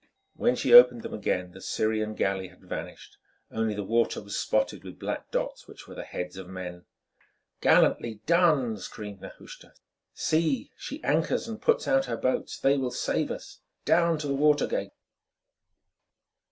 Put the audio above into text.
When she opened them again the Syrian galley had vanished, only the water was spotted with black dots which were the heads of men. "Gallantly done!" screamed Nehushta. "See, she anchors and puts out her boats; they will save us yet. Down to the water gate!"